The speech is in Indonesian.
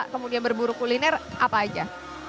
kemudian berburu kuliner apa aja